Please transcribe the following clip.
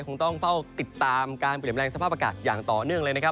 คงต้องเฝ้าติดตามการเปลี่ยนแปลงสภาพอากาศอย่างต่อเนื่องเลยนะครับ